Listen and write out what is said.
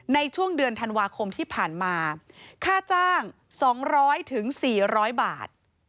ในช่วงเดือนธันวาคมที่ผ่านมาค่าจ้าง๒๐๐๔๐๐บาท